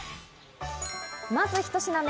まず一品目。